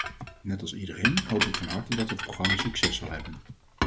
Net als iedereen hoop ik van harte dat het programma succes zal hebben.